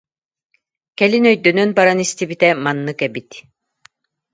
Кэлин өйдөнөн баран истибитэ маннык эбит